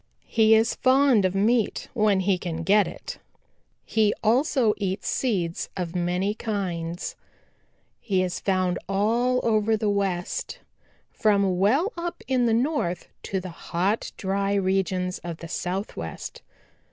He is fond of meat when he can get it. He also eats seeds of many kinds. He is found all over the West from well up in the North to the hot dry regions of the Southwest.